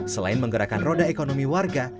selain menggerakkan roda ekonomi warga